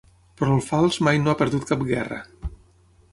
Però el fals mai no ha perdut cap guerra.